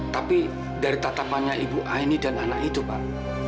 tapi dari tatapannya ibu aini dan anak itu pak